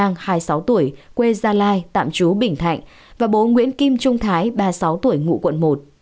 nam hai mươi sáu tuổi quê gia lai tạm trú bình thạnh và bố nguyễn kim trung thái ba mươi sáu tuổi ngụ quận một